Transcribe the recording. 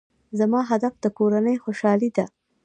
زما هدف د کورنۍ خوشحالي ده.